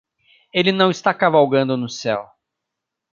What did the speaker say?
Ele não está cavalgando no céu.